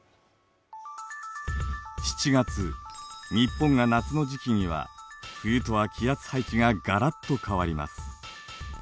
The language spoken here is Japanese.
７月日本が夏の時期には冬とは気圧配置がガラッと変わります。